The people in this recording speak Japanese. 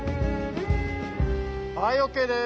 はいＯＫです。